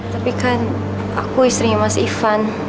tapi kan aku istrinya mas ivan